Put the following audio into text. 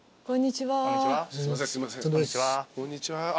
こんにちは。